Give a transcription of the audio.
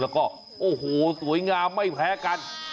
แล้วก็โอ้โหสวยงามไม่แพ้กัน